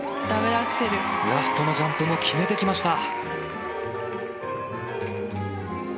ラストのジャンプも決めてきました。